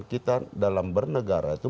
kita dalam bernegara itu